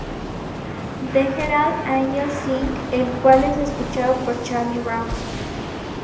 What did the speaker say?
The Herald Angels Sing", el cual es escuchado por Charlie Brown.